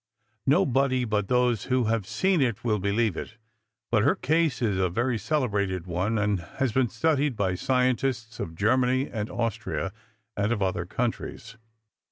Nobody but those who have seen it will believe it, but her case is a very celebrated one, and has been studied by scientists of Germany and Austria, and of other countries.